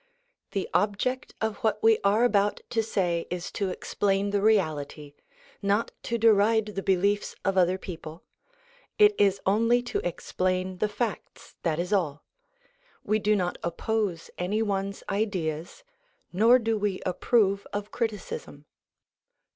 The object of what we are about to say is to explain the reality not to deride the beliefs of other people; it is only to explain the facts, that is all. We do not oppose any one's ideas, nor do we approve of criticism.